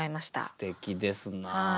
すてきですな。